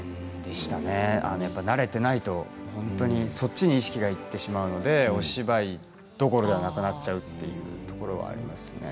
慣れていないとそっちに意識がいってしまうので芝居どころじゃなくなっちゃうというところあります。